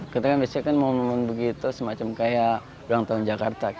kita kan biasanya mau membuat begitu semacam kayak bulan tahun jakarta